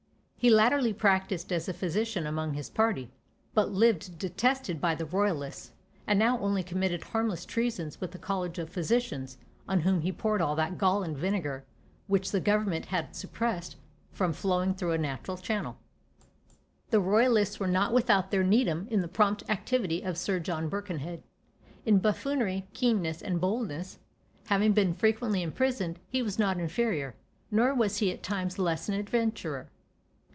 He latterly practised as a physician among his party, but lived detested by the royalists; and now only committed harmless treasons with the College of Physicians, on whom he poured all that gall and vinegar which the government had suppressed from flowing through its natural channel. The royalists were not without their Needham in the prompt activity of Sir John Birkenhead. In buffoonery, keenness, and boldness, having been frequently imprisoned, he was not inferior, nor was he at times less an adventurer.